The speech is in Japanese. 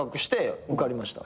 受かりました。